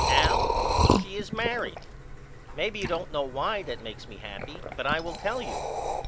Al she is married. Maybe you don't know why that makes me happy but I will tell you.